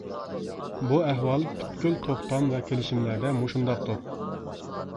بۇ ئەھۋال، پۈتكۈل توختام ۋە كېلىشىملەردە مۇشۇنداقتۇر.